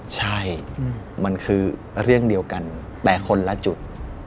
ใช่มันคือเรื่องเดียวกันแต่คนละจุด